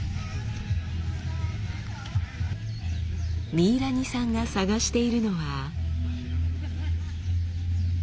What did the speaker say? ミイラニさんが探しているのは。